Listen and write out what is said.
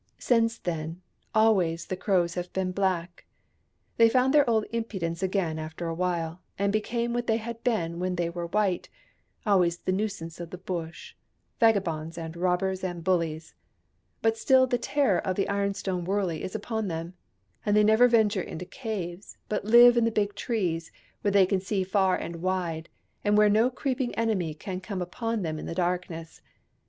Since then, always the Crows have been black. They found their old impudence again after a while, and became what they had been when they were white — always the nuisances of the Bush, vagabonds and robbers and bullies. But still the terror of the ironstone wurley is upon them, and they never venture into caves, but live in the big trees, where they can see far and wide, and where no creeping enemy can come upon them in the darkness.